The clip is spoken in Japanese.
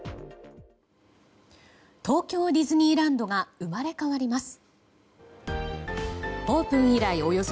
東京ディズニーランドが生まれ変わります。